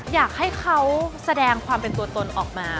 อยากให้เขาแสดงความเป็นตัวตนออกมา